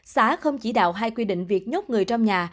xã không chỉ đạo hai quy định việc nhốt người trong nhà